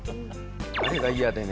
あれが嫌でね